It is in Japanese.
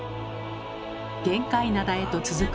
玄界灘へと続く